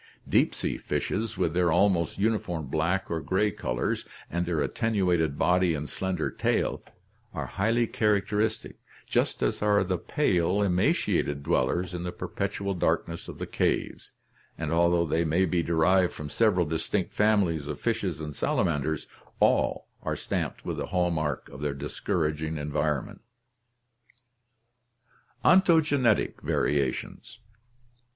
INHERITANCE OF ACQUIRED CHARACTERS 171 Deep sea fishes, with their almost uniform black or gray colors and their attenuated body and slender tail, are highly characteris tic, just as are the pale, emaciated dwellers in the perpetual dark ness of the caves, and although they may be derived from several distinct families of fishes and salamanders, all are stamped with the hall mark of their discouraging environment. Ontogenetic Variations.